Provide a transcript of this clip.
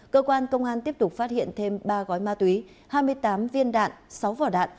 cơ quan công an tiếp tục phát hiện thêm ba gói ma túy hai mươi tám viên đạn sáu vỏ đạn